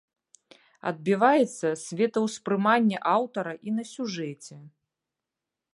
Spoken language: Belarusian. Адбіваецца светаўспрыманне аўтара і на сюжэце.